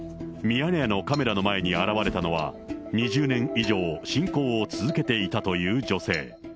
ミヤネ屋のカメラの前に現れたのは、２０年以上、信仰を続けていたという女性。